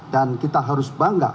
dan kita harus bangga